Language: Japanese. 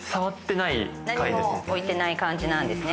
何も置いてない感じですね。